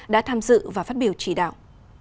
đã tham dự và phát biểu chỉ đạo